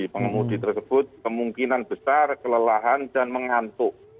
pengemudi tersebut kemungkinan besar kelelahan dan mengantuk